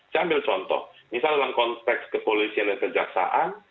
saya ambil contoh misalnya dalam konteks kepolisian dan kejaksaan